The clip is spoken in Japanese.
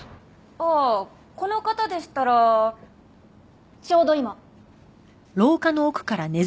ああこの方でしたらちょうど今。